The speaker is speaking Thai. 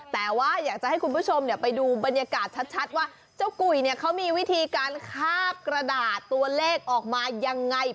แต่ว่าอยากจะให้คุณผู้ชมไปดูบรรยากาศชัดว่าเจ้ากุยเนี่ยเขามีวิธีการคาบกระดาษตัวเลขออกมายังไง